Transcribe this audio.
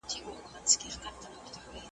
له ضــــلاله څه يې هيــــڅ کــــناره نــــــسته